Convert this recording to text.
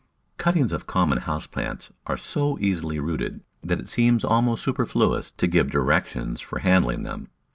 Cuttings of common house plants are so easily rooted that it seems almost superfluous to give direc tions for handling them.